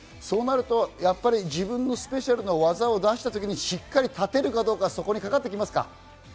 そうなると自分のスペシャルな技を出した時にしっかり立てるかどうか、そこにかかってきますか？